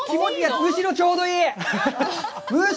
むしろ、ちょうどいい！